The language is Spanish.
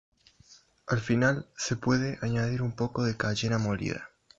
Al final se suele añadir un poco de cayena molida.